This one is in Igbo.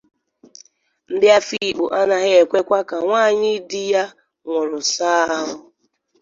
Ndị Afikpo anaghị ekwekwa ka nwaanyị di ya nwụrụ saa ahụ